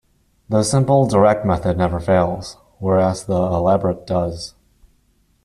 The simple, direct method never fails, whereas the elaborate does.